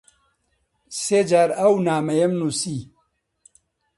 سێ جار ئەو نامەیەم نووسی.